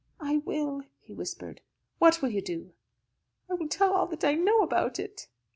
"I will," he whispered. "What will you do?" "I will tell all that I know about it."